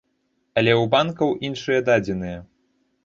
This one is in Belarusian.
Але ў банкаў іншыя дадзеныя.